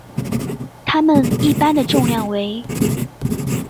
它们一般的重量为。